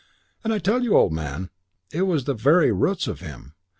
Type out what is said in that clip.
And I tell you, old man, it was the very roots of him.